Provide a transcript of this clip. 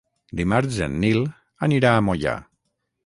Dimarts en Nil anirà a Moià.